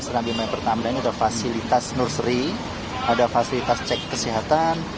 serambi my pertamina ini ada fasilitas nursery ada fasilitas cek kesehatan